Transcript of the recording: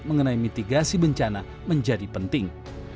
mengenai mitigasi bencana menjadi penting